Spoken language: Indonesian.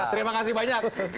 terima kasih banyak